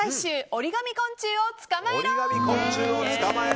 折り紙昆虫を捕まえろ！